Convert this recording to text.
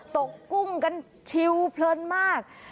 กุ้งกันชิวเพลินมาก